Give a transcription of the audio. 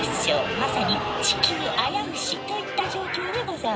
まさに地球あやうしといった状況でござあます。